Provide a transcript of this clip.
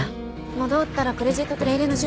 戻ったらクレジットとレ入れの準備お願いね。